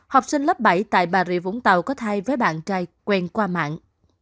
ba học sinh lớp bảy tại bà rịa vũng tàu có thai với bạn trai quen qua mạng